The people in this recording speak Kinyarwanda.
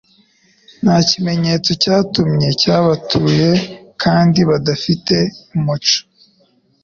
nta kimenyetso cyabatuye kandi badafite umuco